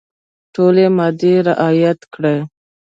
ټولي مادې رعیات کړي.